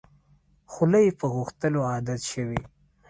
خوله یې په غوښتلو عادت شوې.